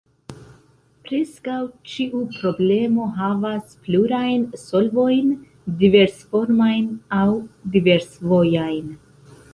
Preskaŭ ĉiu problemo havas plurajn solvojn diversformajn aŭ diversvojajn.